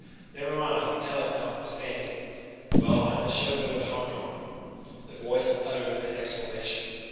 "Never mind, tell it, notwithstanding." "Well, I am the Chevalier d'Artagnan." The voice uttered an exclamation.